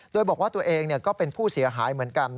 โดยบอกว่าตัวเองก็เป็นผู้เสียหายเหมือนกัน